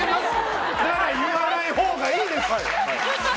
じゃあ言わないほうがいいです。